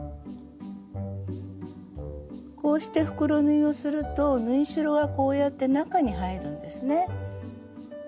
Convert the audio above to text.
こうして袋縫いをすると縫い代はこうやって中に入るんですね。